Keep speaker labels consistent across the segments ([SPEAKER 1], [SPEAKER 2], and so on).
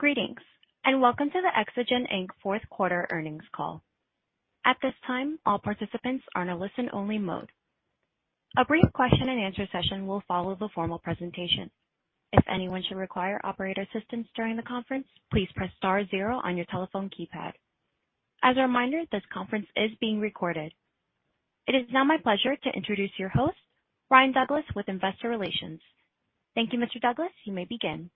[SPEAKER 1] Greetings, welcome to the Exagen Inc. fourth quarter earnings call. At this time, all participants are in a listen-only mode. A brief question and answer session will follow the formal presentation. If anyone should require operator assistance during the conference, please press star zero on your telephone keypad. As a reminder, this conference is being recorded. It is now my pleasure to introduce your host, Ryan Douglas with Investor Relations. Thank you, Mr. Douglas. You may begin.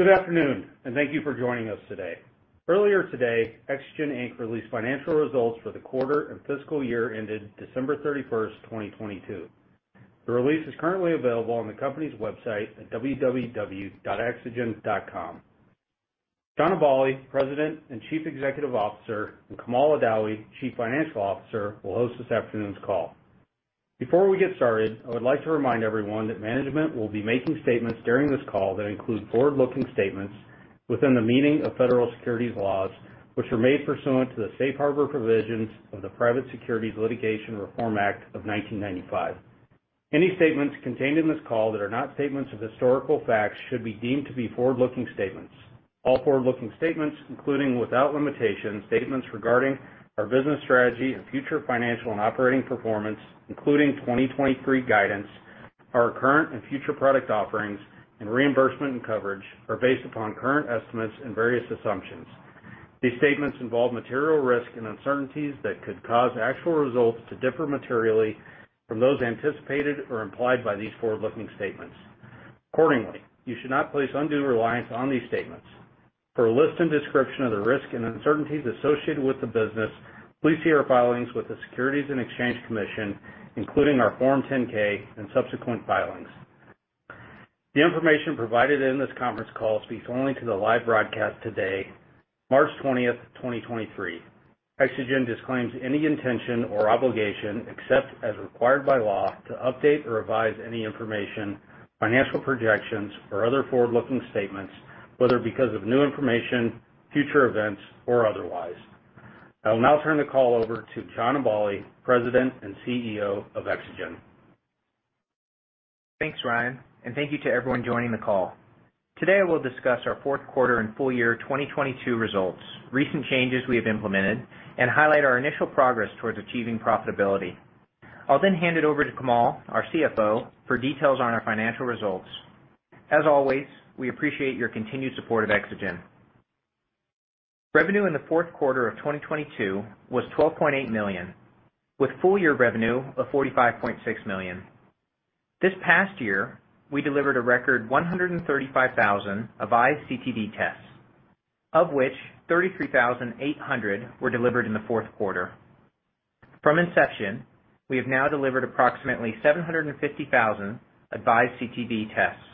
[SPEAKER 2] Good afternoon, and thank you for joining us today. Earlier today, Exagen Inc. released financial results for the quarter and fiscal year ended December 31st, 2022. The release is currently available on the company's website at www.exagen.com. John Aballi, President and Chief Executive Officer, and Kamal Adawi, Chief Financial Officer, will host this afternoon's call. Before we get started, I would like to remind everyone that management will be making statements during this call that include forward-looking statements within the meaning of federal securities laws, which are made pursuant to the safe harbor provisions of the Private Securities Litigation Reform Act of 1995. Any statements contained in this call that are not statements of historical facts should be deemed to be forward-looking statements. All forward-looking statements, including, without limitation, statements regarding our business strategy and future financial and operating performance, including 2023 guidance, our current and future product offerings, and reimbursement and coverage, are based upon current estimates and various assumptions. These statements involve material risk and uncertainties that could cause actual results to differ materially from those anticipated or implied by these forward-looking statements. Accordingly, you should not place undue reliance on these statements. For a list and description of the risks and uncertainties associated with the business, please see our filings with the Securities and Exchange Commission, including our Form 10-K and subsequent filings. The information provided in this conference call speaks only to the live broadcast today, March 20th, 2023. Exagen disclaims any intention or obligation, except as required by law, to update or revise any information, financial projections, or other forward-looking statements, whether because of new information, future events, or otherwise. I will now turn the call over to John Aballi, President and CEO of Exagen.
[SPEAKER 3] Thanks, Ryan. Thank you to everyone joining the call. Today, we'll discuss our fourth quarter and full year 2022 results, recent changes we have implemented, and highlight our initial progress towards achieving profitability. I'll hand it over to Kamal, our CFO, for details on our financial results. As always, we appreciate your continued support of Exagen. Revenue in the fourth quarter of 2022 was $12.8 million, with full year revenue of $45.6 million. This past year, we delivered a record 135,000 AVISE CTD tests, of which 33,800 were delivered in the fourth quarter. From inception, we have now delivered approximately 750,000 AVISE CTD tests.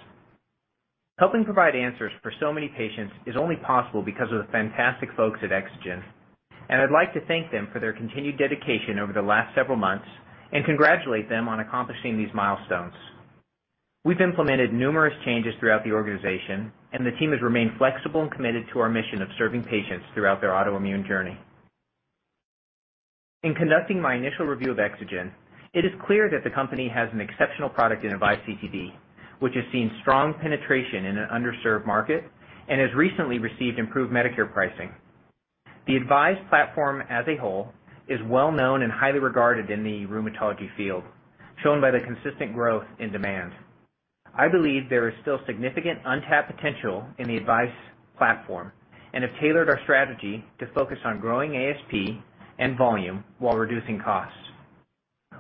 [SPEAKER 3] Helping provide answers for so many patients is only possible because of the fantastic folks at Exagen, and I'd like to thank them for their continued dedication over the last several months and congratulate them on accomplishing these milestones. We've implemented numerous changes throughout the organization, and the team has remained flexible and committed to our mission of serving patients throughout their autoimmune journey. In conducting my initial review of Exagen, it is clear that the company has an exceptional product in AVISE CTD, which has seen strong penetration in an underserved market and has recently received improved Medicare pricing. The AVISE platform as a whole is well known and highly regarded in the rheumatology field, shown by the consistent growth in demand. I believe there is still significant untapped potential in the AVISE platform and have tailored our strategy to focus on growing ASP and volume while reducing costs.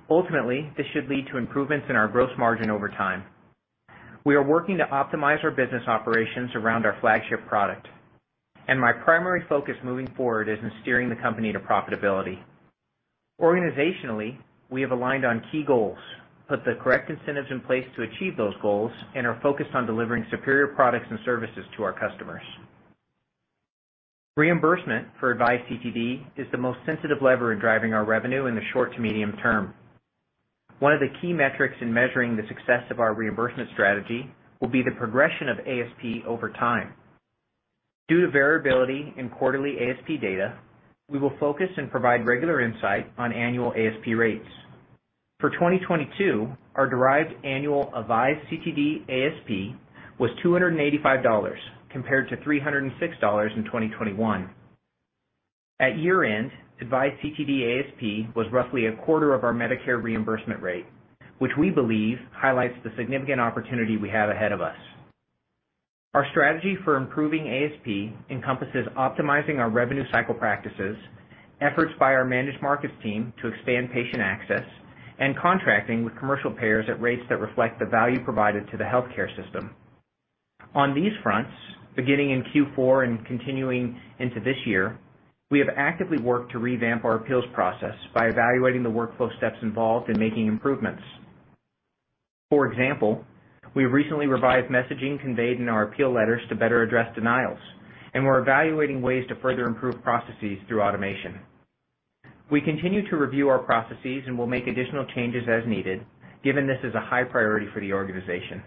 [SPEAKER 3] Ultimately, this should lead to improvements in our gross margin over time. We are working to optimize our business operations around our flagship product, and my primary focus moving forward is in steering the company to profitability. Organizationally, we have aligned on key goals, put the correct incentives in place to achieve those goals, and are focused on delivering superior products and services to our customers. Reimbursement for AVISE CTD is the most sensitive lever in driving our revenue in the short to medium term. One of the key metrics in measuring the success of our reimbursement strategy will be the progression of ASP over time. Due to variability in quarterly ASP data, we will focus and provide regular insight on annual ASP rates. For 2022, our derived annual AVISE CTD ASP was $285 compared to $306 in 2021. At year-end, AVISE CTD ASP was roughly a quarter of our Medicare reimbursement rate, which we believe highlights the significant opportunity we have ahead of us. Our strategy for improving ASP encompasses optimizing our revenue cycle practices, efforts by our managed markets team to expand patient access, and contracting with commercial payers at rates that reflect the value provided to the healthcare system. On these fronts, beginning in Q4 and continuing into this year, we have actively worked to revamp our appeals process by evaluating the workflow steps involved in making improvements. For example, we recently revised messaging conveyed in our appeal letters to better address denials, and we're evaluating ways to further improve processes through automation. We continue to review our processes and will make additional changes as needed, given this is a high priority for the organization.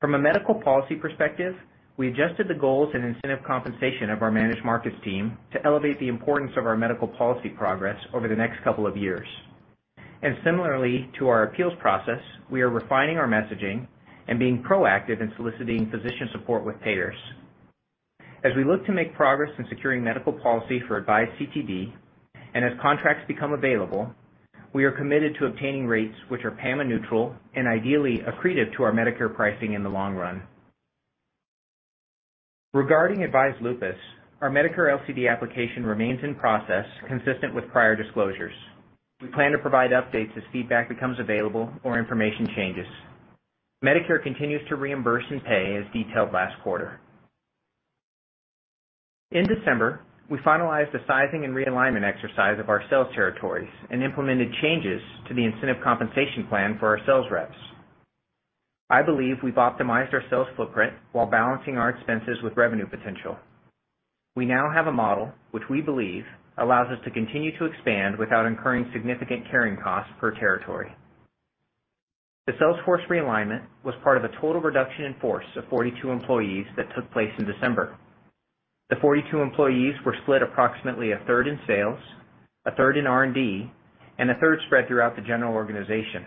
[SPEAKER 3] From a medical policy perspective, we adjusted the goals and incentive compensation of our managed markets team to elevate the importance of our medical policy progress over the next couple of years. Similarly to our appeals process, we are refining our messaging and being proactive in soliciting physician support with payers. As we look to make progress in securing medical policy for AVISE CTD and as contracts become available, we are committed to obtaining rates which are PAMA neutral and ideally accretive to our Medicare pricing in the long run. Regarding AVISE Lupus, our Medicare LCD application remains in process consistent with prior disclosures. We plan to provide updates as feedback becomes available or information changes. Medicare continues to reimburse and pay as detailed last quarter. In December, we finalized the sizing and realignment exercise of our sales territories and implemented changes to the incentive compensation plan for our sales reps. I believe we've optimized our sales footprint while balancing our expenses with revenue potential. We now have a model which we believe allows us to continue to expand without incurring significant carrying costs per territory. The sales force realignment was part of a total reduction in force of 42 employees that took place in December. The 42 employees were split approximately a third in sales, a third in R&D, and a third spread throughout the general organization.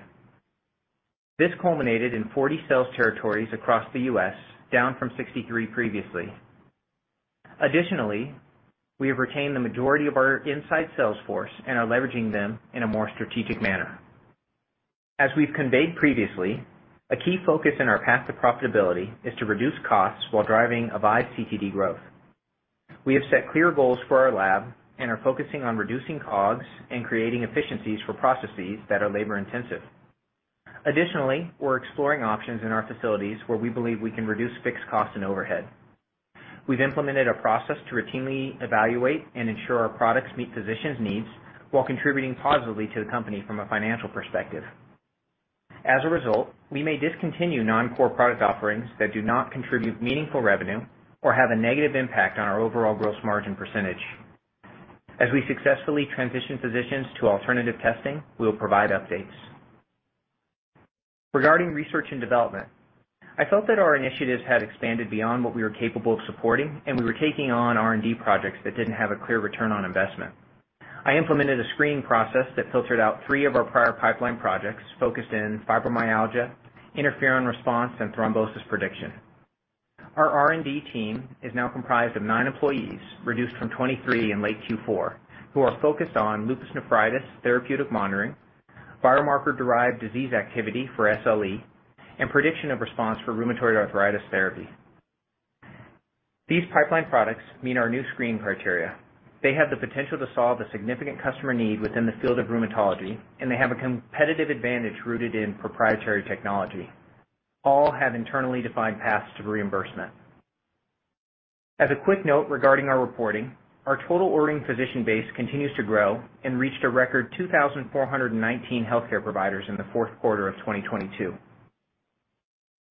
[SPEAKER 3] This culminated in 40 sales territories across the U.S., down from 63 previously. Additionally, we have retained the majority of our inside sales force and are leveraging them in a more strategic manner. As we've conveyed previously, a key focus in our path to profitability is to reduce costs while driving AVISE CTD growth. We have set clear goals for our lab and are focusing on reducing COGS and creating efficiencies for processes that are labor-intensive. Additionally, we're exploring options in our facilities where we believe we can reduce fixed costs and overhead. We've implemented a process to routinely evaluate and ensure our products meet physicians' needs while contributing positively to the company from a financial perspective. As a result, we may discontinue non-core product offerings that do not contribute meaningful revenue or have a negative impact on our overall gross margin percentage. As we successfully transition physicians to alternative testing, we will provide updates. Regarding research and development, I felt that our initiatives had expanded beyond what we were capable of supporting, and we were taking on R&D projects that didn't have a clear return on investment. I implemented a screening process that filtered out 3 of our prior pipeline projects focused in fibromyalgia, interferon response, and thrombosis prediction. Our R&D team is now comprised of 9 employees, reduced from 23 in late Q4, who are focused on lupus nephritis, therapeutic monitoring, biomarker-derived disease activity for SLE, and prediction of response for rheumatoid arthritis therapy. These pipeline products meet our new screening criteria. They have the potential to solve a significant customer need within the field of rheumatology, and they have a competitive advantage rooted in proprietary technology. All have internally defined paths to reimbursement. As a quick note regarding our reporting, our total ordering physician base continues to grow and reached a record 2,419 healthcare providers in the fourth quarter of 2022.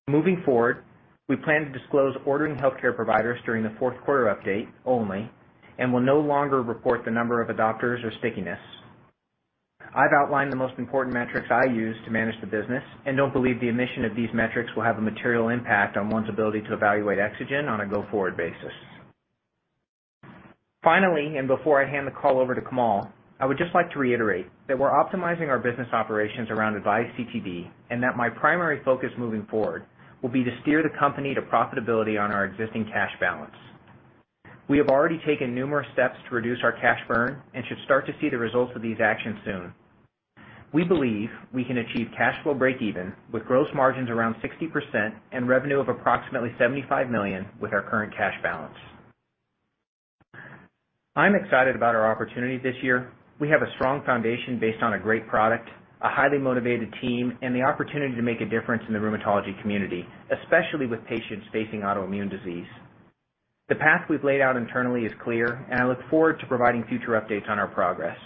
[SPEAKER 3] Moving forward, we plan to disclose ordering healthcare providers during the fourth quarter update only and will no longer report the number of adopters or stickiness. I've outlined the most important metrics I use to manage the business and don't believe the omission of these metrics will have a material impact on one's ability to evaluate Exagen on a go-forward basis. Finally, and before I hand the call over to Kamal, I would just like to reiterate that we're optimizing our business operations around AVISE CTD, and that my primary focus moving forward will be to steer the company to profitability on our existing cash balance. We have already taken numerous steps to reduce our cash burn and should start to see the results of these actions soon. We believe we can achieve cash flow breakeven with gross margins around 60% and revenue of approximately $75 million with our current cash balance. I'm excited about our opportunities this year. We have a strong foundation based on a great product, a highly motivated team, and the opportunity to make a difference in the rheumatology community, especially with patients facing autoimmune disease. The path we've laid out internally is clear, and I look forward to providing future updates on our progress.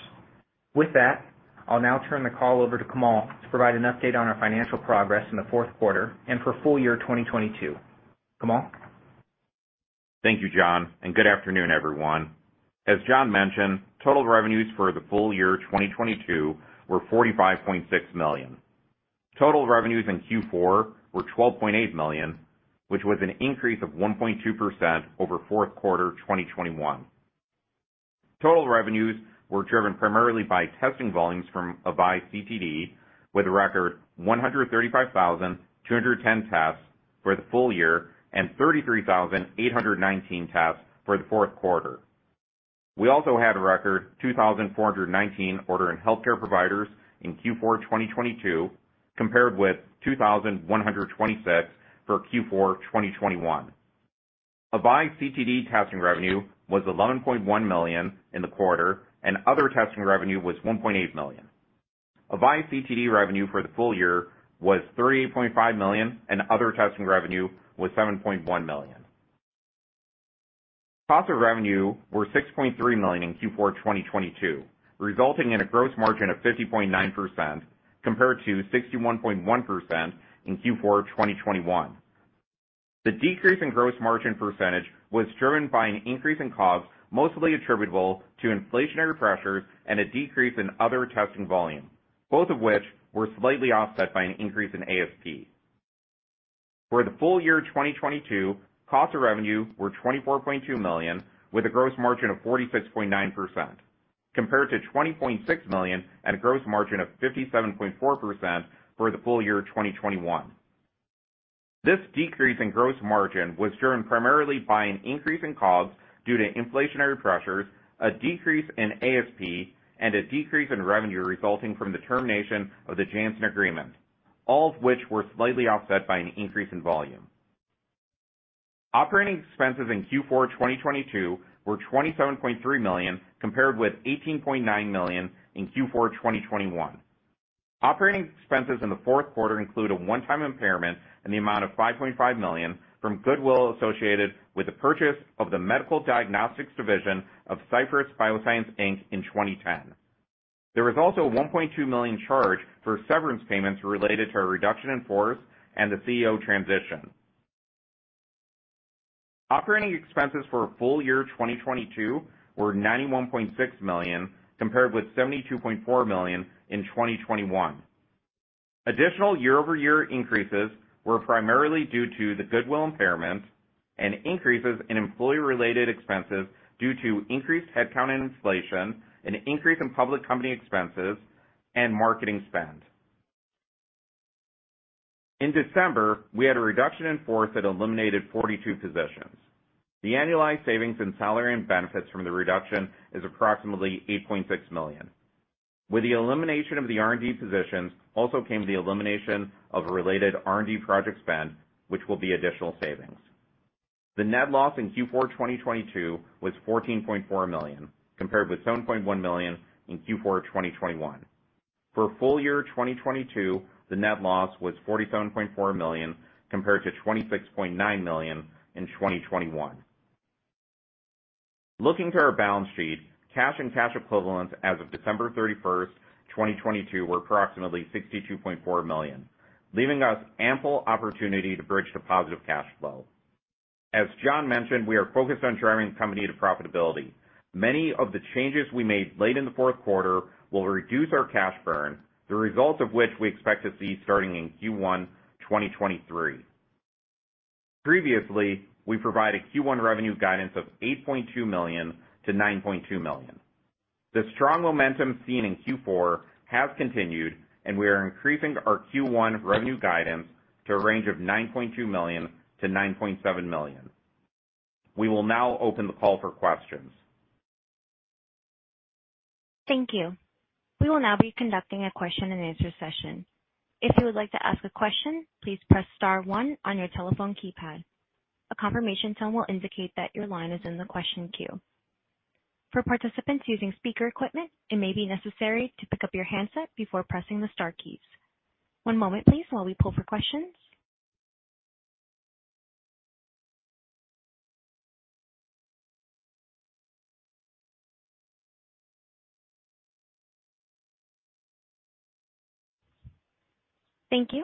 [SPEAKER 3] With that, I'll now turn the call over to Kamal to provide an update on our financial progress in the fourth quarter and for full year 2022. Kamal?
[SPEAKER 4] Thank you, John. Good afternoon, everyone. As John mentioned, total revenues for the full year 2022 were $45.6 million. Total revenues in Q4 were $12.8 million, which was an increase of 1.2% over fourth quarter 2021. Total revenues were driven primarily by testing volumes from AVISE CTD with a record 135,210 tests for the full year and 33,819 tests for the fourth quarter. We also had a record 2,419 ordering healthcare providers in Q4 2022, compared with 2,126 for Q4 2021. AVISE CTD testing revenue was $11.1 million in the quarter. Other testing revenue was $1.8 million. AVISE CTD revenue for the full year was $38.5 million, and other testing revenue was $7.1 million. Cost of revenue were $6.3 million in Q4 2022, resulting in a gross margin of 50.9% compared to 61.1% in Q4 2021. The decrease in gross margin percentage was driven by an increase in cost, mostly attributable to inflationary pressures and a decrease in other testing volume, both of which were slightly offset by an increase in ASP. For the full year 2022, cost of revenue were $24.2 million, with a gross margin of 46.9%, compared to $20.6 million and a gross margin of 57.4% for the full year 2021. This decrease in gross margin was driven primarily by an increase in cost due to inflationary pressures, a decrease in ASP, and a decrease in revenue resulting from the termination of the Janssen agreement, all of which were slightly offset by an increase in volume. Operating expenses in Q4 2022 were $27.3 million compared with $18.9 million in Q4 2021. Operating expenses in the fourth quarter include a one-time impairment in the amount of $5.5 million from goodwill associated with the purchase of the Medical Diagnostics division of Cypress Bioscience Inc. in 2010. There was also a $1.2 million charge for severance payments related to a reduction in force and the CEO transition. Operating expenses for full year 2022 were $91.6 million, compared with $72.4 million in 2021. Additional year-over-year increases were primarily due to the goodwill impairment and increases in employee-related expenses due to increased headcount and inflation, an increase in public company expenses, and marketing spend. In December, we had a reduction in force that eliminated 42 positions. The annualized savings in salary and benefits from the reduction is approximately $8.6 million. With the elimination of the R&D positions also came the elimination of related R&D project spend, which will be additional savings. The net loss in Q4 2022 was $14.4 million, compared with $7.1 million in Q4 2021. For full year 2022, the net loss was $47.4 million compared to $26.9 million in 2021. Looking to our balance sheet, cash and cash equivalents as of December 31st, 2022 were approximately $62.4 million, leaving us ample opportunity to bridge to positive cash flow. As John mentioned, we are focused on driving the company to profitability. Many of the changes we made late in the fourth quarter will reduce our cash burn, the results of which we expect to see starting in Q1 2023. Previously, we provided Q1 revenue guidance of $8.2 million-$9.2 million. The strong momentum seen in Q4 has continued, and we are increasing our Q1 revenue guidance to a range of $9.2 million-$9.7 million. We will now open the call for questions.
[SPEAKER 1] Thank you. We will now be conducting a question and answer session. If you would like to ask a question, please press star one on your telephone keypad. A confirmation tone will indicate that your line is in the question queue. For participants using speaker equipment, it may be necessary to pick up your handset before pressing the star keys. One moment please while we pull for questions. Thank you.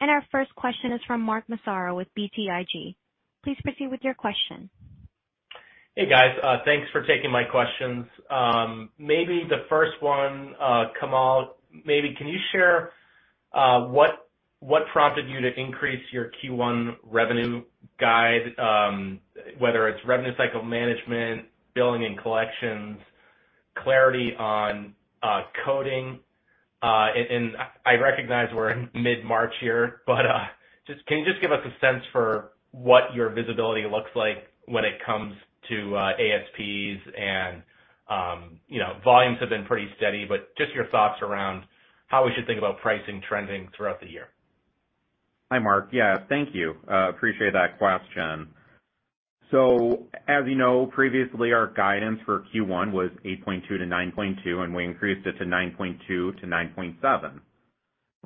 [SPEAKER 1] Our first question is from Mark Massaro with BTIG. Please proceed with your question.
[SPEAKER 5] Hey, guys. Thanks for taking my questions. Maybe the first one, Kamal, maybe can you share what prompted you to increase your Q1 revenue guide? Whether it's revenue cycle management, billing and collections, clarity on coding. I recognize we're in mid-March here, but can you just give us a sense for what your visibility looks like when it comes to ASPs? You know, volumes have been pretty steady, but just your thoughts around how we should think about pricing trending throughout the year?
[SPEAKER 4] Hi, Mark. Yeah, thank you. Appreciate that question. As you know, previously our guidance for Q1 was $8.2 million-$9.2 million, and we increased it to $9.2 million-$9.7 million.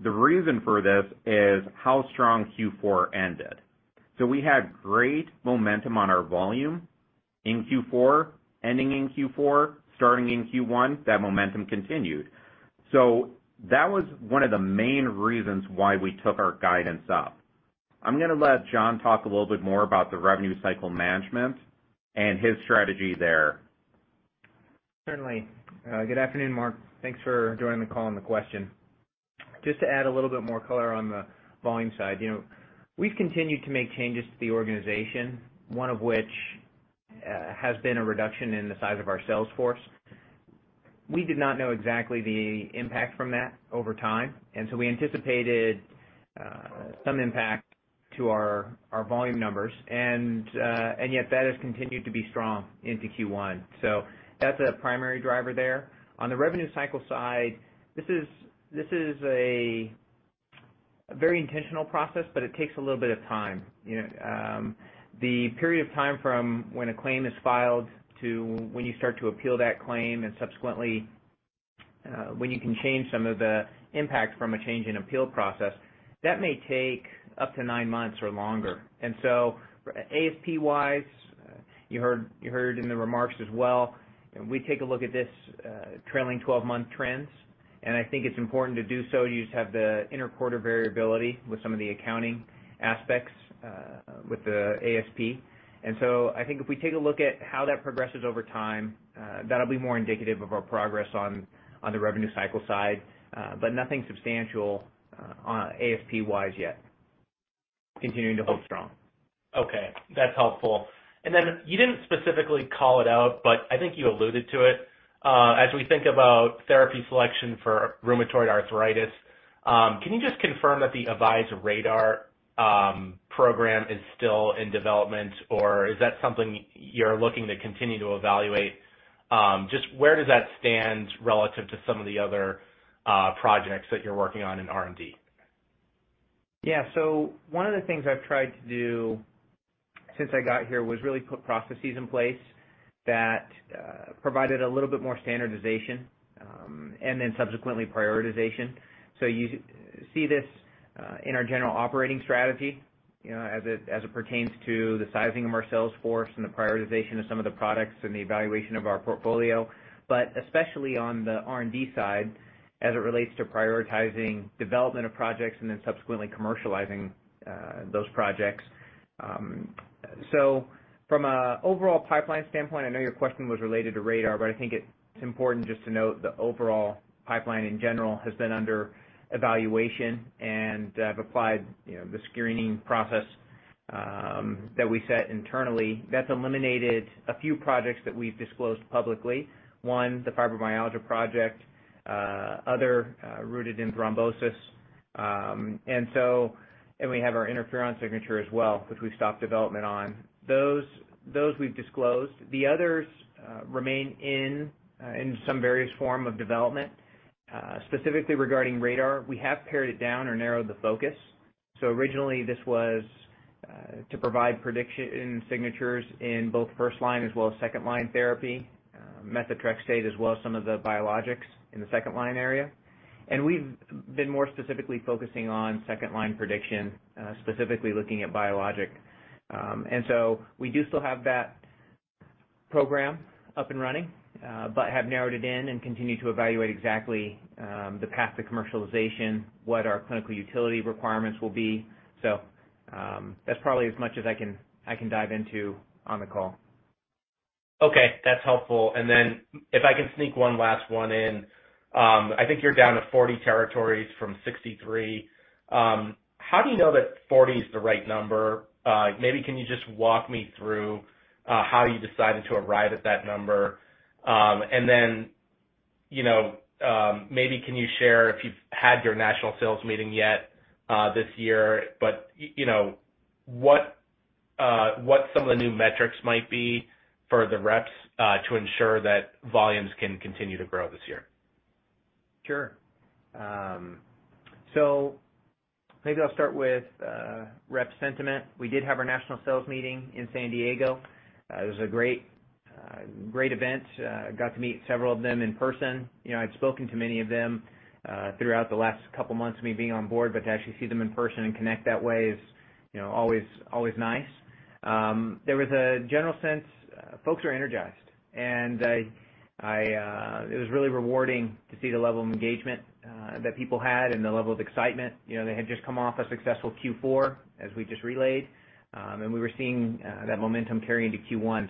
[SPEAKER 4] The reason for this is how strong Q4 ended. We had great momentum on our volume in Q4. Ending in Q4, starting in Q1, that momentum continued. That was one of the main reasons why we took our guidance up. I'm gonna let John talk a little bit more about the revenue cycle management and his strategy there.
[SPEAKER 3] Certainly. Good afternoon, Mark. Thanks for joining the call and the question. Just to add a little bit more color on the volume side. You know, we've continued to make changes to the organization, one of which has been a reduction in the size of our sales force. We did not know exactly the impact from that over time. We anticipated some impact to our volume numbers and yet that has continued to be strong into Q1. That's a primary driver there. On the revenue cycle side, this is a very intentional process, but it takes a little bit of time. You know, the period of time from when a claim is filed to when you start to appeal that claim and subsequently, when you can change some of the impact from a change in appeal process, that may take up to 9 months or longer. ASP-wise, you heard in the remarks as well, we take a look at this trailing 12-month trends, and I think it's important to do so. You just have the inter-quarter variability with some of the accounting aspects with the ASP. I think if we take a look at how that progresses over time, that'll be more indicative of our progress on the revenue cycle side. Nothing substantial on ASP-wise yet. Continuing to hold strong.
[SPEAKER 5] Okay, that's helpful. You didn't specifically call it out, but I think you alluded to it. As we think about therapy selection for rheumatoid arthritis, can you just confirm that the AVISE RADAR program is still in development, or is that something you're looking to continue to evaluate? Just where does that stand relative to some of the other projects that you're working on in R&D?
[SPEAKER 3] Yeah. One of the things I've tried to do since I got here was really put processes in place that provided a little bit more standardization, and then subsequently prioritization. You see this in our general operating strategy, you know, as it, as it pertains to the sizing of our sales force and the prioritization of some of the products and the evaluation of our portfolio. Especially on the R&D side, as it relates to prioritizing development of projects and then subsequently commercializing those projects. From a overall pipeline standpoint, I know your question was related to RADAR, but I think it's important just to note the overall pipeline in general has been under evaluation, and I've applied, you know, the screening process that we set internally. That's eliminated a few projects that we've disclosed publicly. One, the fibromyalgia project, other, rooted in thrombosis. We have our interferon signature as well, which we stopped development on. Those we've disclosed. The others, remain in some various form of development. Specifically regarding RADAR, we have pared it down or narrowed the focus. Originally, this was to provide prediction in signatures in both first line as well as second line therapy, methotrexate as well as some of the biologics in the second line area. We've been more specifically focusing on second line prediction, specifically looking at biologic. We do still have that program up and running, but have narrowed it in and continue to evaluate exactly, the path to commercialization, what our clinical utility requirements will be. That's probably as much as I can dive into on the call.
[SPEAKER 5] Okay, that's helpful. If I can sneak one last one in. I think you're down to 40 territories from 63. How do you know that 40 is the right number? Maybe can you just walk me through how you decided to arrive at that number? Then, you know, maybe can you share if you've had your national sales meeting yet this year, but you know, what some of the new metrics might be for the reps to ensure that volumes can continue to grow this year?
[SPEAKER 3] Sure. Maybe I'll start with rep sentiment. We did have our national sales meeting in San Diego. It was a great event. Got to meet several of them in person. You know, I'd spoken to many of them throughout the last couple months of me being on board, but to actually see them in person and connect that way is, you know, always nice. There was a general sense, folks are energized. It was really rewarding to see the level of engagement that people had and the level of excitement. You know, they had just come off a successful Q4, as we just relayed, we were seeing that momentum carry into Q1.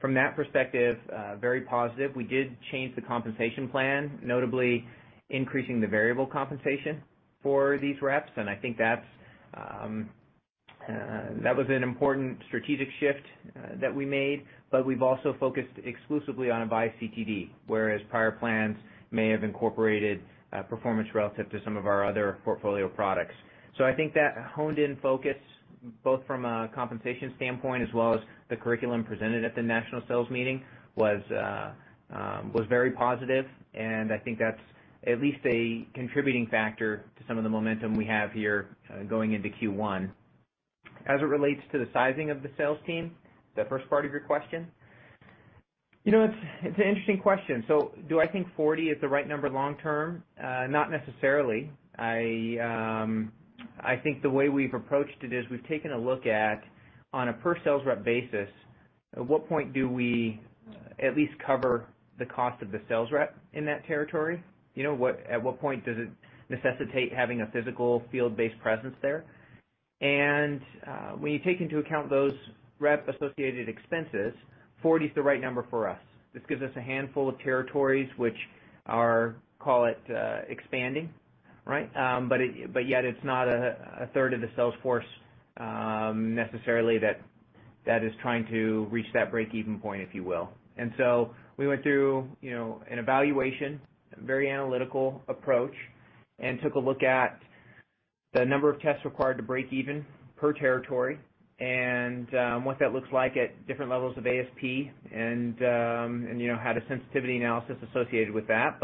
[SPEAKER 3] From that perspective, very positive. We did change the compensation plan, notably increasing the variable compensation for these reps, I think that was an important strategic shift that we made. We've also focused exclusively on AVISE CTD, whereas prior plans may have incorporated performance relative to some of our other portfolio products. I think that honed-in focus, both from a compensation standpoint as well as the curriculum presented at the national sales meeting, was very positive, and I think that's at least a contributing factor to some of the momentum we have here going into Q1. As it relates to the sizing of the sales team, the first part of your question, you know, it's an interesting question. Do I think 40 is the right number long term? Not necessarily. I think the way we've approached it is we've taken a look at, on a per sales rep basis, at what point do we at least cover the cost of the sales rep in that territory? You know, at what point does it necessitate having a physical field-based presence there? When you take into account those rep-associated expenses, 40 is the right number for us. This gives us a handful of territories which are, call it, expanding, right? Yet it's not a third of the sales force, necessarily that is trying to reach that break-even point, if you will. We went through, you know, an evaluation, a very analytical approach, and took a look at the number of tests required to break even per territory and what that looks like at different levels of ASP and, you know, had a sensitivity analysis associated with that.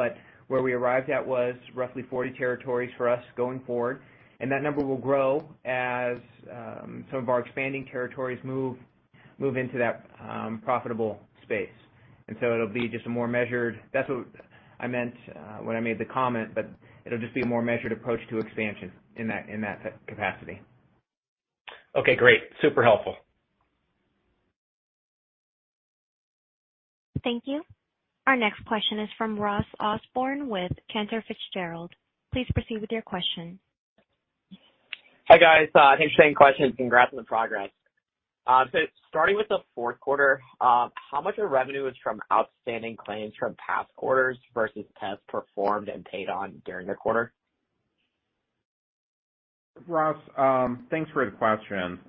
[SPEAKER 3] Where we arrived at was roughly 40 territories for us going forward, and that number will grow as some of our expanding territories move into that profitable space. That's what I meant, when I made the comment, but it'll just be a more measured approach to expansion in that, in that capacity.
[SPEAKER 5] Okay, great. Super helpful.
[SPEAKER 1] Thank you. Our next question is from Ross Osborn with Cantor Fitzgerald. Please proceed with your question.
[SPEAKER 6] Hi, guys. Thanks for taking the question. Congrats on the progress. Starting with the fourth quarter, how much of revenue is from outstanding claims from past quarters versus tests performed and paid on during the quarter?
[SPEAKER 3] Ross, thanks for the question.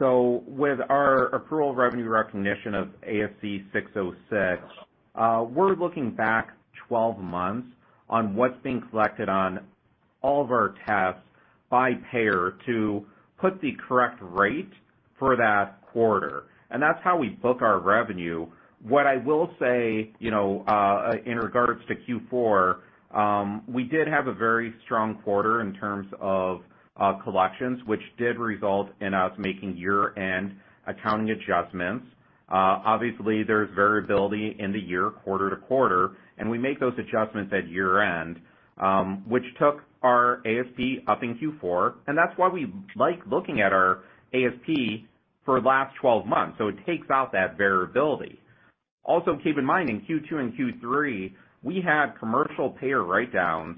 [SPEAKER 3] With our approval revenue recognition of ASC 606, we're looking back 12 months on what's being collected on all of our tests by payer to put the correct rate for that quarter. That's how we book our revenue. What I will say, you know, in regards to Q4, we did have a very strong quarter in terms of collections, which did result in us making year-end accounting adjustments. Obviously, there's variability in the year quarter to quarter, and we make those adjustments at year-end, which took our ASP up in Q4. That's why we like looking at our ASP for last 12 months. It takes out that variability. Also, keep in mind, in Q2 and Q3, we had commercial payer write-downs.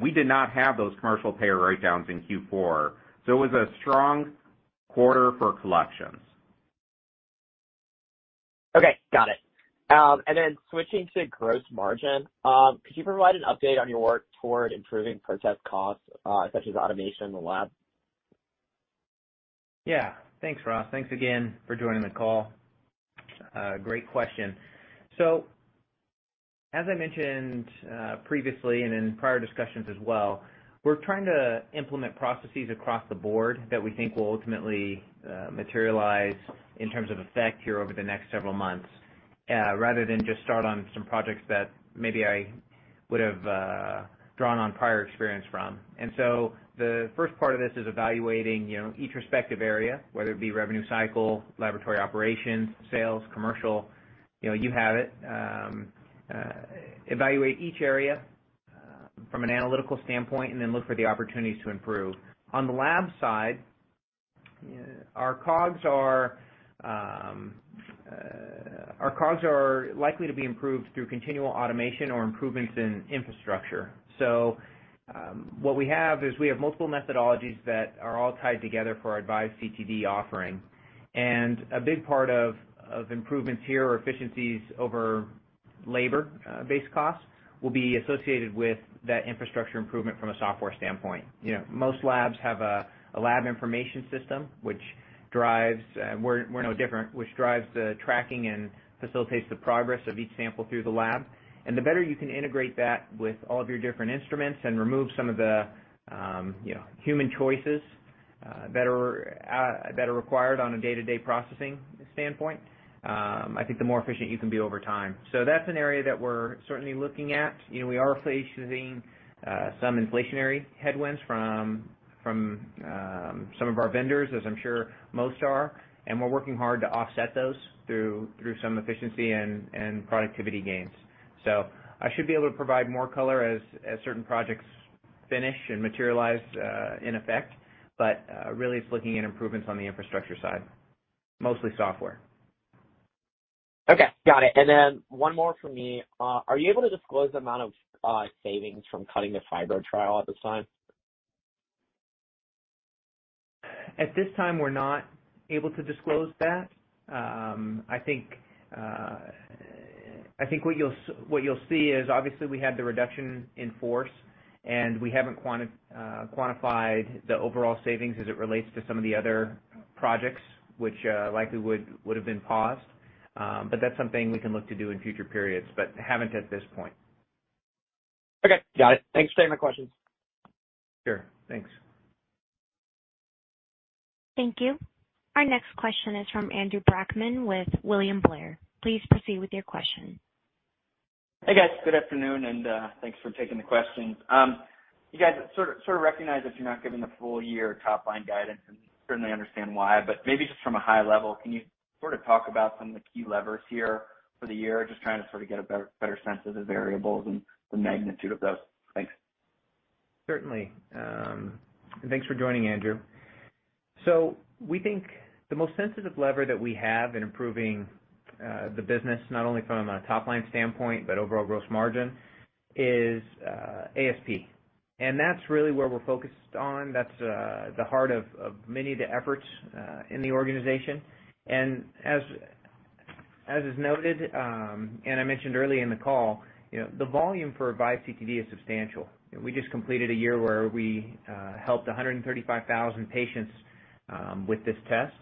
[SPEAKER 3] We did not have those commercial payer write-downs in Q4. It was a strong quarter for collections.
[SPEAKER 6] Okay, got it. Switching to gross margin, could you provide an update on your work toward improving process costs, such as automation in the lab?
[SPEAKER 3] Yeah. Thanks, Ross. Thanks again for joining the call. Great question. As I mentioned, previously and in prior discussions as well, we're trying to implement processes across the board that we think will ultimately, materialize in terms of effect here over the next several months, rather than just start on some projects that maybe I would have, drawn on prior experience from. The first part of this is evaluating, you know, each respective area, whether it be revenue cycle, laboratory operations, sales, commercial, you know, you have it. Evaluate each area, from an analytical standpoint, and then look for the opportunities to improve. On the lab side, our costs are likely to be improved through continual automation or improvements in infrastructure. What we have is we have multiple methodologies that are all tied together for our AVISE CTD offering. A big part of improvements here or efficiencies over labor-based costs will be associated with that infrastructure improvement from a software standpoint. You know, most labs have a laboratory information system which drives, we're no different, which drives the tracking and facilitates the progress of each sample through the lab. The better you can integrate that with all of your different instruments and remove some of the, you know, human choices that are required on a day-to-day processing standpoint, I think the more efficient you can be over time. That's an area that we're certainly looking at. You know, we are facing some inflationary headwinds from some of our vendors, as I'm sure most are, and we're working hard to offset those through some efficiency and productivity gains. I should be able to provide more color as certain projects finish and materialize in effect. Really it's looking at improvements on the infrastructure side, mostly software.
[SPEAKER 6] Okay, got it. One more from me. Are you able to disclose the amount of savings from cutting the fibro trial at this time?
[SPEAKER 3] At this time, we're not able to disclose that. I think what you'll see is obviously we had the reduction in force and we haven't quantified the overall savings as it relates to some of the other projects which likely would have been paused. That's something we can look to do in future periods, but haven't at this point.
[SPEAKER 6] Okay, got it. Thanks for taking my questions.
[SPEAKER 3] Sure. Thanks.
[SPEAKER 1] Thank you. Our next question is from Andrew Brackmann with William Blair. Please proceed with your question.
[SPEAKER 7] Hey, guys. Good afternoon, and thanks for taking the questions. You guys sort of recognize that you're not giving the full year top line guidance, and certainly understand why, but maybe just from a high level, can you sort of talk about some of the key levers here for the year? Just trying to sort of get a better sense of the variables and the magnitude of those. Thanks.
[SPEAKER 3] Certainly. Thanks for joining, Andrew. We think the most sensitive lever that we have in improving the business, not only from a top-line standpoint but overall gross margin, is ASP. That's really where we're focused on. That's the heart of many of the efforts in the organization. As is noted, and I mentioned early in the call, you know, the volume for AVISE CTD is substantial. We just completed a year where we helped 135,000 patients with this test.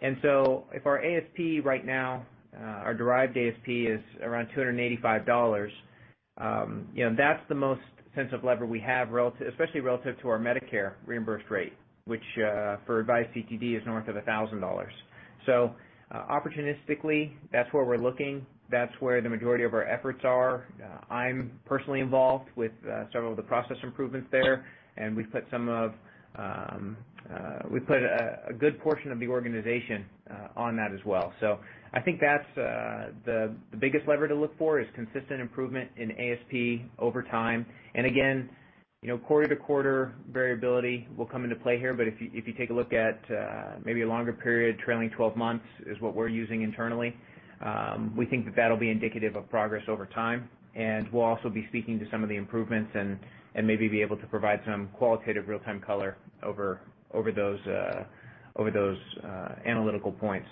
[SPEAKER 3] If our ASP right now, our derived ASP is around $285, you know, that's the most sensitive lever we have especially relative to our Medicare reimbursed rate, which for AVISE CTD is north of $1,000. Opportunistically, that's where we're looking. That's where the majority of our efforts are. I'm personally involved with several of the process improvements there, and we've put a good portion of the organization on that as well. I think that's the biggest lever to look for is consistent improvement in ASP over time. You know, quarter-to-quarter variability will come into play here, but if you take a look at maybe a longer period, trailing 12 months is what we're using internally, we think that that'll be indicative of progress over time. We'll also be speaking to some of the improvements and maybe be able to provide some qualitative real-time color over those analytical points.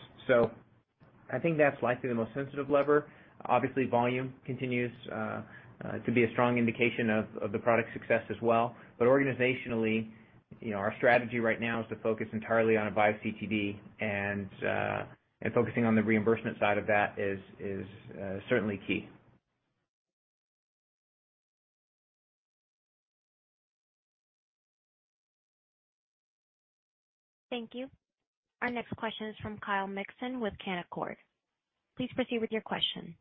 [SPEAKER 3] I think that's likely the most sensitive lever. Obviously, volume continues to be a strong indication of the product success as well. Organizationally, you know, our strategy right now is to focus entirely on AVISE CTD and focusing on the reimbursement side of that is certainly key.
[SPEAKER 1] Thank you. Our next question is from Kyle Mikson with Canaccord. Please proceed with your question.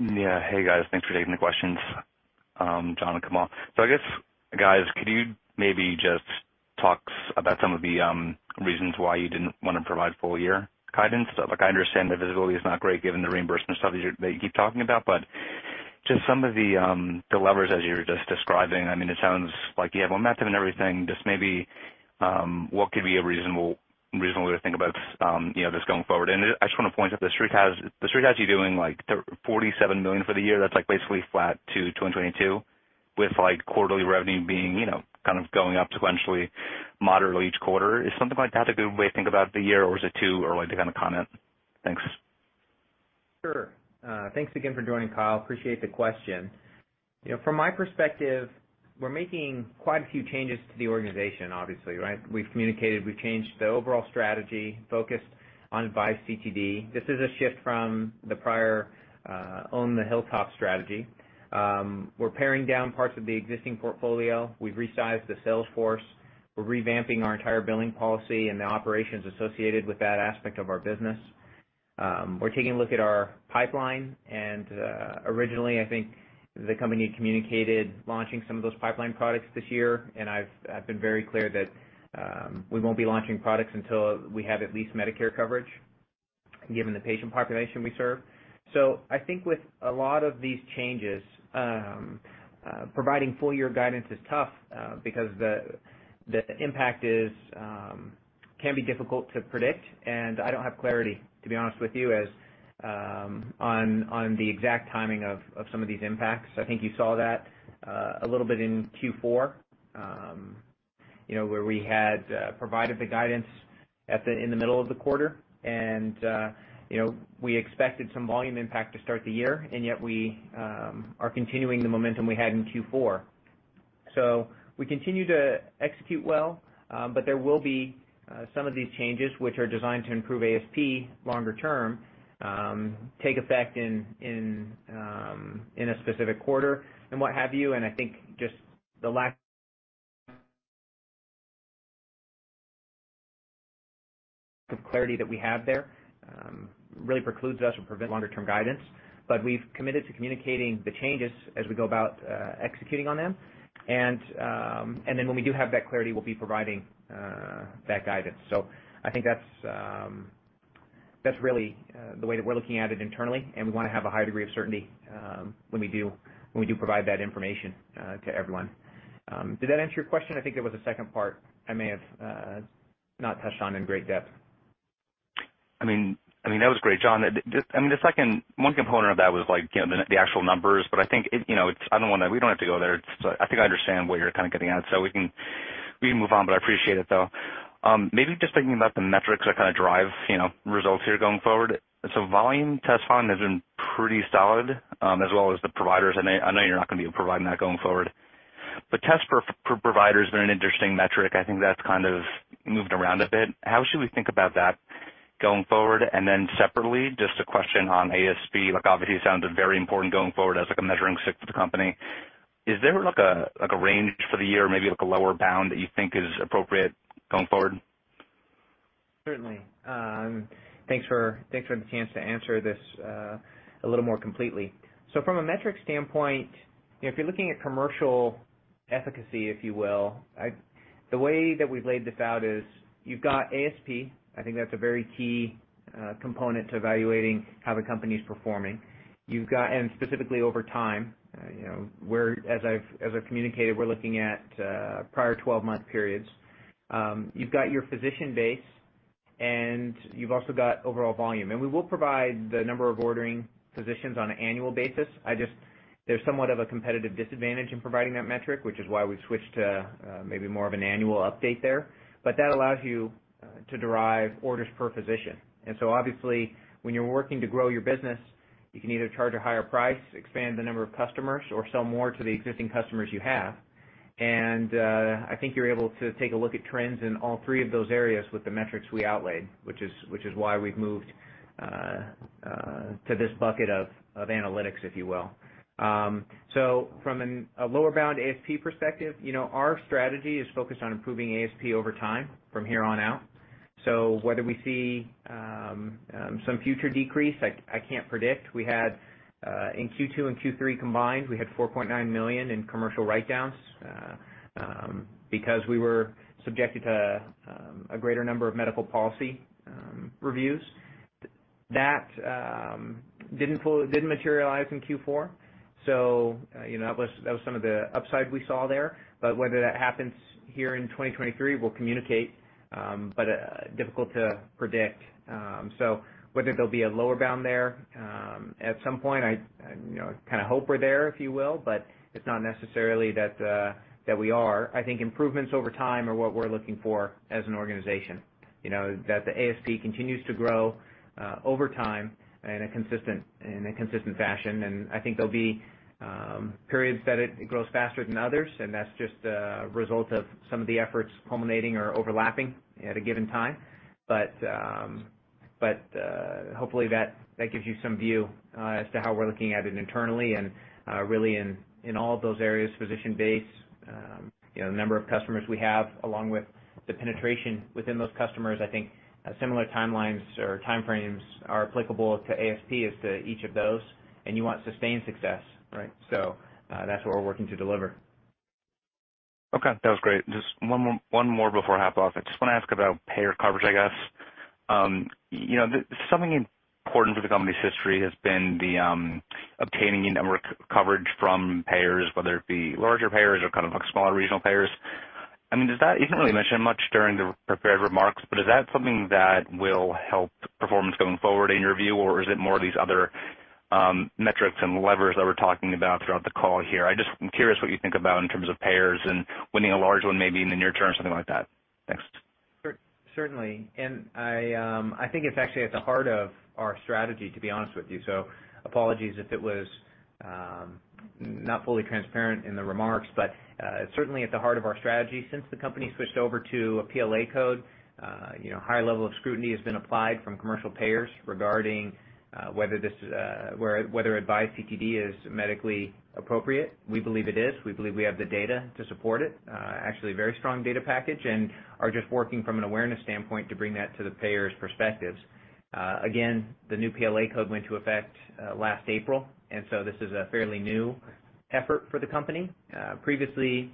[SPEAKER 8] Hey, guys. Thanks for taking the questions, John and Kamal. I guess, guys, could you maybe just talk about some of the reasons why you didn't wanna provide full year guidance? Like, I understand the visibility is not great given the reimbursement stuff that you keep talking about, but just some of the levers as you were just describing. I mean, it sounds like you have momentum and everything. Just maybe, what could be a reasonable way to think about, you know, just going forward? I just wanna point out, The Street has you doing, like, $47 million for the year. That's like basically flat to 2022, with like quarterly revenue being, you know, kind of going up sequentially, moderately each quarter. Is something like that a good way to think about the year, or is it too early to kind of comment? Thanks.
[SPEAKER 3] Thanks again for joining, Kyle. Appreciate the question. You know, from my perspective, we're making quite a few changes to the organization, obviously, right? We've communicated, we've changed the overall strategy focused on AVISE CTD. This is a shift from the prior own the Rheumatology Hilltop strategy. We're paring down parts of the existing portfolio. We've resized the sales force. We're revamping our entire billing policy and the operations associated with that aspect of our business. We're taking a look at our pipeline. Originally, I think the company communicated launching some of those pipeline products this year, and I've been very clear that we won't be launching products until we have at least Medicare coverage given the patient population we serve. I think with a lot of these changes, providing full-year guidance is tough, because the impact is, can be difficult to predict, and I don't have clarity, to be honest with you, as, on the exact timing of some of these impacts. I think you saw that a little bit in Q4, you know, where we had provided the guidance in the middle of the quarter. You know, we expected some volume impact to start the year, and yet we are continuing the momentum we had in Q4. We continue to execute well, but there will be some of these changes which are designed to improve ASP longer term, take effect in a specific quarter and what have you. I think just the lack of clarity that we have there, really precludes us from providing longer-term guidance. We've committed to communicating the changes as we go about, executing on them. Then when we do have that clarity, we'll be providing, that guidance. I think that's really, the way that we're looking at it internally, and we wanna have a high degree of certainty, when we do provide that information, to everyone. Did that answer your question? I think there was a second part I may have, not touched on in great depth.
[SPEAKER 8] I mean, that was great, John. I mean, the second one component of that was, like, you know, the actual numbers, but I think it, you know, it's. I don't wanna. We don't have to go there. It's, I think I understand what you're kinda getting at, so we can move on, but I appreciate it, though. Maybe just thinking about the metrics that kinda drive, you know, results here going forward. Volume test volume has been pretty solid, as well as the providers. I know you're not gonna be providing that going forward, but test per provider has been an interesting metric. I think that's kind of moved around a bit. How should we think about that going forward? Separately, just a question on ASP. Like, obviously, it sounds very important going forward as, like, a measuring stick for the company. Is there, like, a, like, a range for the year, maybe, like, a lower bound that you think is appropriate going forward?
[SPEAKER 3] Certainly. thanks for the chance to answer this a little more completely. From a metrics standpoint, you know, if you're looking at commercial efficacy, if you will, the way that we've laid this out is you've got ASP. I think that's a very key component to evaluating how the company's performing. You've got. Specifically over time, you know, we're, as I've communicated, we're looking at prior 12-month periods. you've got your physician base, and you've also got overall volume. We will provide the number of ordering physicians on an annual basis. There's somewhat of a competitive disadvantage in providing that metric, which is why we've switched to maybe more of an annual update there. That allows you to derive orders per physician. Obviously, when you're working to grow your business, you can either charge a higher price, expand the number of customers, or sell more to the existing customers you have. I think you're able to take a look at trends in all three of those areas with the metrics we outlaid, which is why we've moved to this bucket of analytics, if you will. From a lower bound ASP perspective, you know, our strategy is focused on improving ASP over time from here on out. Whether we see some future decrease, I can't predict. We had in Q2 and Q3 combined, we had $4.9 million in commercial write-downs because we were subjected to a greater number of medical policy reviews. That didn't materialize in Q4. You know, that was some of the upside we saw there. Whether that happens here in 2023, we'll communicate, but difficult to predict. Whether there'll be a lower bound there, at some point, I, you know, kind of hope we're there, if you will, but it's not necessarily that we are. I think improvements over time are what we're looking for as an organization, you know, that the ASP continues to grow over time in a consistent fashion. I think there'll be periods that it grows faster than others, and that's just a result of some of the efforts culminating or overlapping at a given time. Hopefully that gives you some view as to how we're looking at it internally and really in all of those areas, physician base, you know, the number of customers we have, along with the penetration within those customers. I think similar timelines or time frames are applicable to ASP as to each of those. You want sustained success, right? That's what we're working to deliver.
[SPEAKER 8] Okay, that was great. Just one more before I hop off. I just want to ask about payer coverage, I guess. You know, something important for the company's history has been the obtaining in-network coverage from payers, whether it be larger payers or kind of like smaller regional payers. You didn't really mention much during the prepared remarks, but is that something that will help performance going forward in your view? Or is it more of these other metrics and levers that we're talking about throughout the call here? I'm curious what you think about in terms of payers and winning a large one, maybe in the near term, something like that. Thanks.
[SPEAKER 3] Certainly. I think it's actually at the heart of our strategy, to be honest with you. Apologies if it was not fully transparent in the remarks, but certainly at the heart of our strategy. Since the company switched over to a PLA code, you know, high level of scrutiny has been applied from commercial payers regarding whether this, whether AVISE CTD is medically appropriate. We believe it is. We believe we have the data to support it, actually a very strong data package, and are just working from an awareness standpoint to bring that to the payers' perspectives. Again, the new PLA code went to effect last April, this is a fairly new effort for the company. Previously,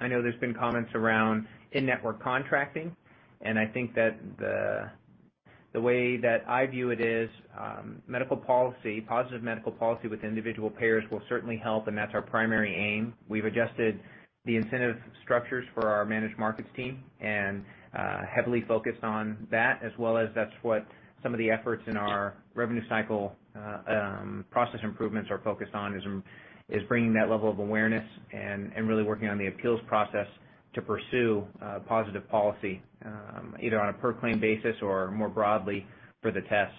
[SPEAKER 3] I know there's been comments around in-network contracting, and I think that the way that I view it is, medical policy, positive medical policy with individual payers will certainly help, and that's our primary aim. We've adjusted the incentive structures for our managed markets team and heavily focused on that as well as that's what some of the efforts in our revenue cycle process improvements are focused on, is bringing that level of awareness and really working on the appeals process to pursue positive policy either on a per claim basis or more broadly for the test.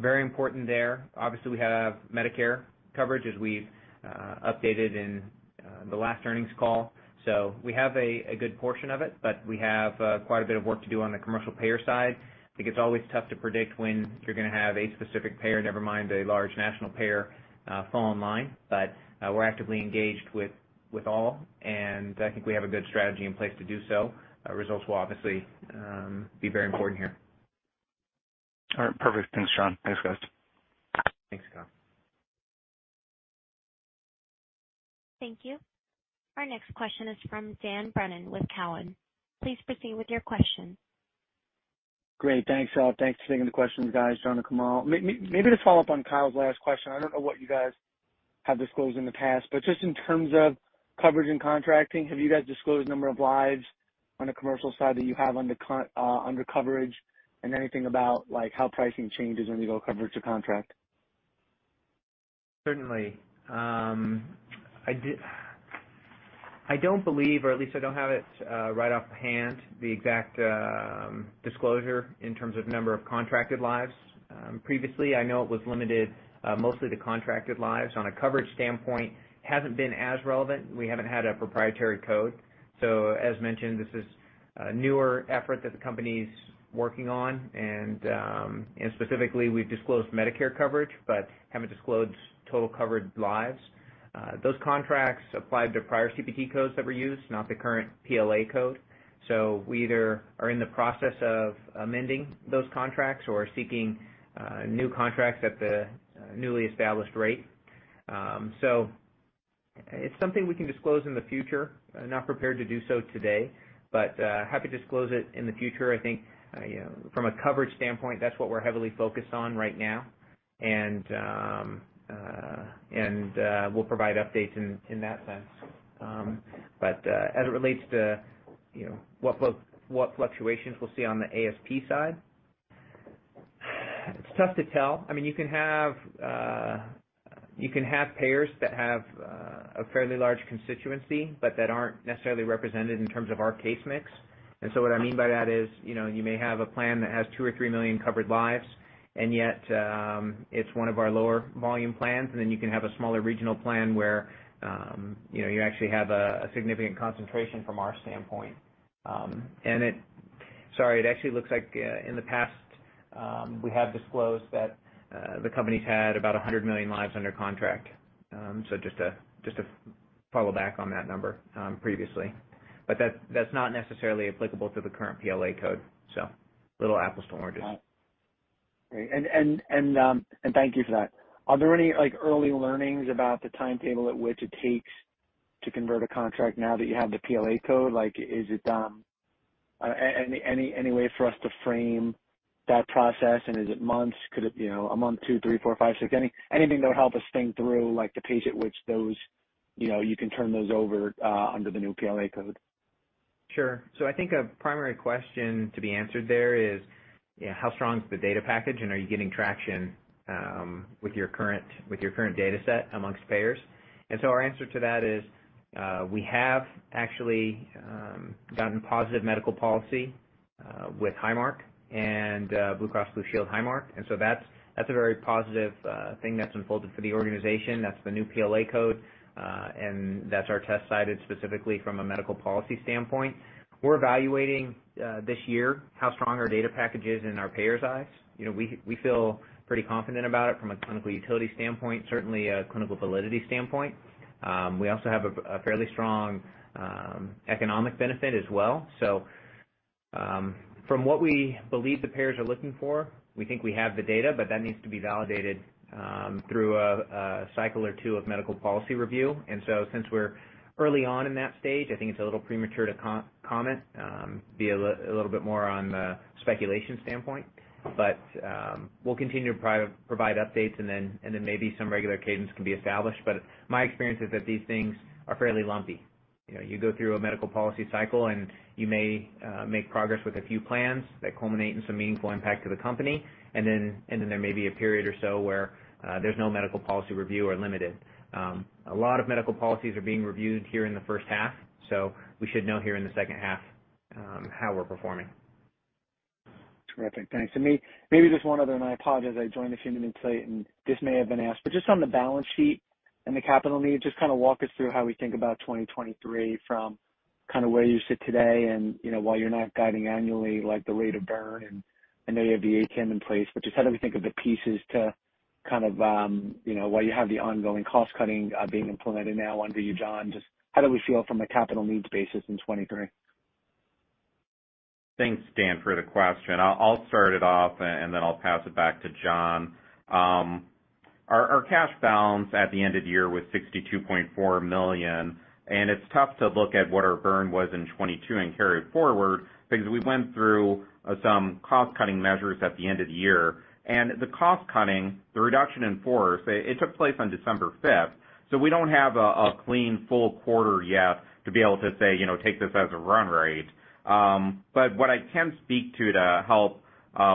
[SPEAKER 3] Very important there. Obviously, we have Medicare coverage as we've updated in the last earnings call. We have a good portion of it, but we have quite a bit of work to do on the commercial payer side. I think it's always tough to predict when you're gonna have a specific payer, never mind a large national payer fall in line. We're actively engaged with all, and I think we have a good strategy in place to do so. Results will obviously be very important here.
[SPEAKER 8] All right. Perfect. Thanks, John. Thanks, guys.
[SPEAKER 3] Thanks, Kyle.
[SPEAKER 1] Thank you. Our next question is from Dan Brennan with Cowen. Please proceed with your question.
[SPEAKER 9] Great, thanks, all. Thanks for taking the questions, guys, John and Kamal. Maybe to follow up on Kyle's last question, I don't know what you guys have disclosed in the past, but just in terms of coverage and contracting, have you guys disclosed number of lives on the commercial side that you have under coverage and anything about, like, how pricing changes when you go coverage to contract?
[SPEAKER 3] Certainly. I don't believe, or at least I don't have it right offhand, the exact disclosure in terms of number of contracted lives. Previously, I know it was limited mostly to contracted lives. On a coverage standpoint, hasn't been as relevant. We haven't had a proprietary code. As mentioned, this is a newer effort that the company's working on. Specifically, we've disclosed Medicare coverage but haven't disclosed total covered lives. Those contracts applied to prior CPT codes that were used, not the current PLA code. We either are in the process of amending those contracts or seeking new contracts at the newly established rate. It's something we can disclose in the future. Not prepared to do so today, but happy to disclose it in the future. I think, you know, from a coverage standpoint, that's what we're heavily focused on right now. We'll provide updates in that sense. As it relates to, you know, what fluctuations we'll see on the ASP side, it's tough to tell. I mean, you can have payers that have, a fairly large constituency but that aren't necessarily represented in terms of our case mix. What I mean by that is, you know, you may have a plan that has 2 or 3 million covered lives, and yet, it's one of our lower volume plans. Then you can have a smaller regional plan where, you know, you actually have a significant concentration from our standpoint. It... Sorry, it actually looks like, in the past, we have disclosed that, the company's had about 100 million lives under contract. Just to follow back on that number, previously. That's not necessarily applicable to the current PLA code. Little apples to oranges.
[SPEAKER 9] Great. Thank you for that. Are there any, like, early learnings about the timetable at which it takes to convert a contract now that you have the PLA code? Like, is it any way for us to frame that process? Is it months? Could it, you know, a month, 2, 3, 4, 5, 6? Anything that would help us think through, like, the pace at which those, you know, you can turn those over under the new PLA code.
[SPEAKER 3] Sure. I think a primary question to be answered there is, you know, how strong is the data package, and are you getting traction with your current data set amongst payers? Our answer to that is, we have actually gotten positive medical policy with Highmark and Highmark Blue Cross Blue Shield. That's a very positive thing that's unfolded for the organization. That's the new PLA code, and that's our test site specifically from a medical policy standpoint. We're evaluating this year how strong our data package is in our payers' eyes. You know, we feel pretty confident about it from a clinical utility standpoint, certainly a clinical validity standpoint. We also have a fairly strong economic benefit as well. From what we believe the payers are looking for, we think we have the data, but that needs to be validated through a cycle or two of medical policy review. Since we're early on in that stage, I think it's a little premature to comment a little bit more on the speculation standpoint. We'll continue to provide updates, and then maybe some regular cadence can be established. My experience is that these things are fairly lumpy. You know, you go through a medical policy cycle, and you may make progress with a few plans that culminate in some meaningful impact to the company. Then there may be a period or so where there's no medical policy review or limited. A lot of medical policies are being reviewed here in the first half, so we should know here in the second half, how we're performing.
[SPEAKER 9] Terrific. Thanks. Maybe just one other, and I apologize, I joined this mid, and this may have been asked. Just on the balance sheet and the capital needs, just kinda walk us through how we think about 2023 from kinda where you sit today. You know, while you're not guiding annually, like, the rate of burn, and I know you have the ATM in place, but just how do we think of the pieces to kind of, you know, while you have the ongoing cost cutting, being implemented now under you, John, just how do we feel from a capital needs basis in 2023?
[SPEAKER 4] Thanks, Dan, for the question. I'll start it off and then I'll pass it back to John. Our cash balance at the end of the year was $62.4 million, and it's tough to look at what our burn was in 2022 and carry it forward because we went through some cost-cutting measures at the end of the year. The cost cutting, the reduction in force, it took place on December fifth, so we don't have a clean full quarter yet to be able to say, you know, take this as a run rate. But what I can speak to help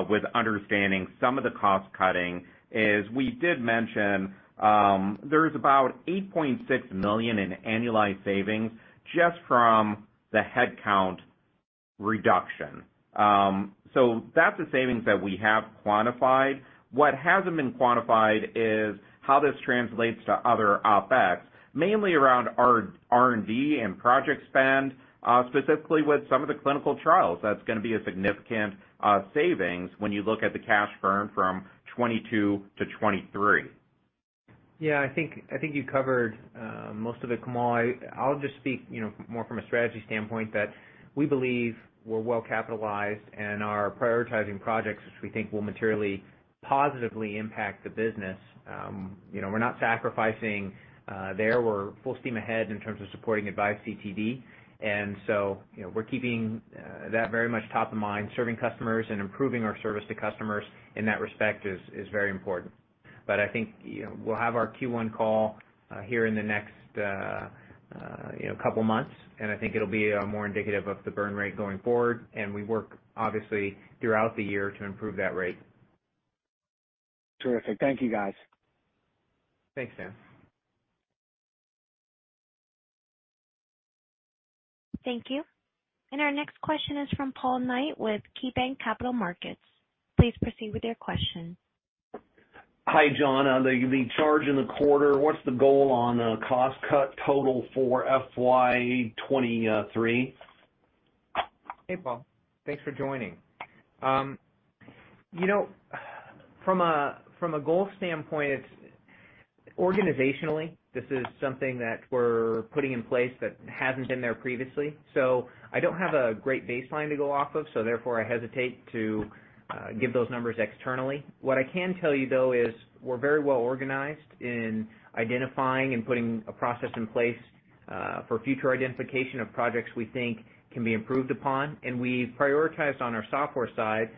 [SPEAKER 4] with understanding some of the cost cutting is we did mention, there's about $8.6 million in annualized savings just from the headcount reduction. That's the savings that we have quantified. What hasn't been quantified is how this translates to other OpEx, mainly around our R&D and project spend, specifically with some of the clinical trials. That's gonna be a significant savings when you look at the cash burn from 2022 to 2023.
[SPEAKER 3] Yeah. I think you covered most of it, Kamal. I'll just speak, you know, more from a strategy standpoint that we believe we're well capitalized and are prioritizing projects which we think will materially positively impact the business. You know, we're not sacrificing there. We're full steam ahead in terms of supporting AVISE CTD. You know, we're keeping that very much top of mind. Serving customers and improving our service to customers in that respect is very important. I think, you know, we'll have our Q1 call here in the next, you know, couple months, and I think it'll be more indicative of the burn rate going forward, and we work obviously throughout the year to improve that rate.
[SPEAKER 9] Terrific. Thank you, guys.
[SPEAKER 3] Thanks, Dan.
[SPEAKER 1] Thank you. Our next question is from Paul Knight with KeyBanc Capital Markets. Please proceed with your question.
[SPEAKER 10] Hi, John. On the charge in the quarter, what's the goal on cost cut total for FY 2023?
[SPEAKER 3] Hey, Paul. Thanks for joining. You know, from a, from a goal standpoint, Organizationally, this is something that we're putting in place that hasn't been there previously, so I don't have a great baseline to go off of, so therefore I hesitate to give those numbers externally. What I can tell you though is we're very well organized in identifying and putting a process in place for future identification of projects we think can be improved upon. We've prioritized on our software side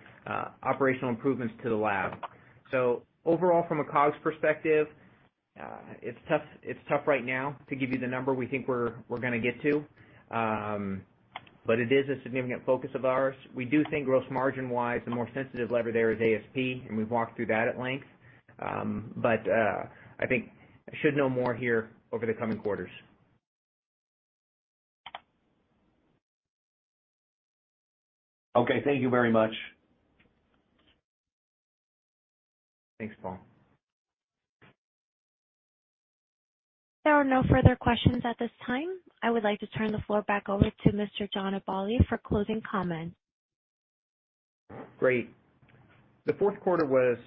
[SPEAKER 3] operational improvements to the lab. Overall, from a COGS perspective, it's tough right now to give you the number we think we're gonna get to. It is a significant focus of ours. We do think gross margin-wise, the more sensitive lever there is ASP, and we've walked through that at length. I think I should know more here over the coming quarters.
[SPEAKER 10] Okay, thank you very much.
[SPEAKER 3] Thanks, Paul.
[SPEAKER 1] There are no further questions at this time. I would like to turn the floor back over to Mr. John Aballi for closing comment.
[SPEAKER 3] Great. The fourth quarter was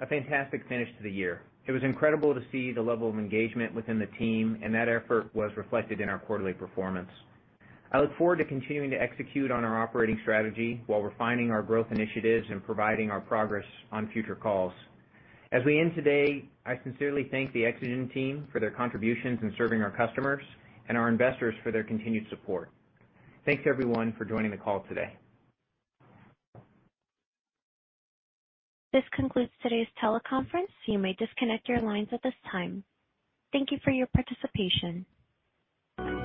[SPEAKER 3] a fantastic finish to the year. It was incredible to see the level of engagement within the team, and that effort was reflected in our quarterly performance. I look forward to continuing to execute on our operating strategy while refining our growth initiatives and providing our progress on future calls. As we end today, I sincerely thank the Exagen team for their contributions in serving our customers and our investors for their continued support. Thanks, everyone, for joining the call today.
[SPEAKER 1] This concludes today's teleconference. You may disconnect your lines at this time. Thank you for your participation.